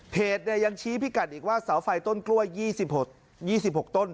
ยังชี้พิกัดอีกว่าเสาไฟต้นกล้วย๒๖ต้น